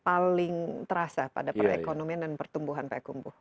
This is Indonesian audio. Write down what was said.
apa yang paling terasa pada perekonomian dan pertumbuhan payakumbuh